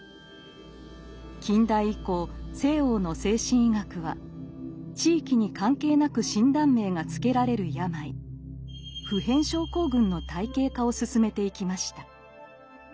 近代以降西欧の精神医学は地域に関係なく診断名が付けられる病「普遍症候群」の体系化を進めていきました。